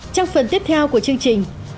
trong phần tiếp theo của chương trình